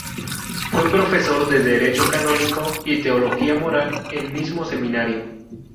Fue profesor de derecho canónico y teología moral en mismo seminario.